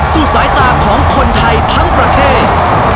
สายตาของคนไทยทั้งประเทศ